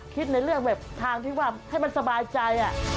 ในเรื่องแบบทางที่ว่าให้มันสบายใจ